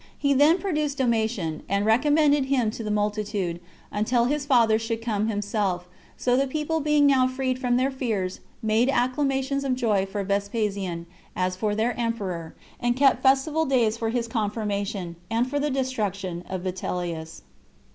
He then produced Domitian, and recommended him to the multitude, until his father should come himself; so the people being now freed from their fears, made acclamations of joy for Vespasian, as for their emperor, and kept festival days for his confirmation, and for the destruction of Vitellius.